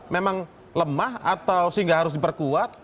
memang lemah atau sehingga harus diperkuat